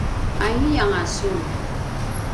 ’ay’ianga sun?